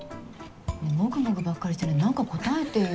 もぐもぐばっかりしてないで何か答えてよ。